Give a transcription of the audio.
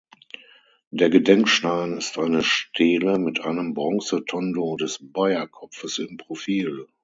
Der Gedenkstein ist eine Stele mit einem Bronze-Tondo des Baeyer-Kopfes im Profil.